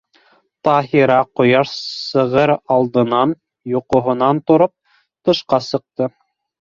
Таһира, ҡояш сығыр алдынан йоҡоһонан тороп, тышҡа сыҡты.